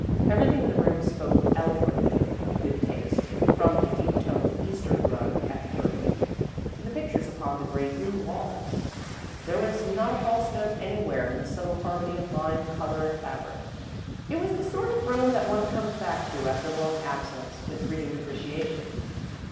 Everything in the room spoke eloquently of good taste, from the deep toned Eastern rug at the hearth to the pictures upon the grey green walls. There was not a false note anywhere in the subtle harmony of line, colour, and fabric. It was the sort of room that one comes back to, after long absence, with renewed appreciation.